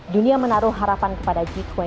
dunia menaruh harapan kepada g dua puluh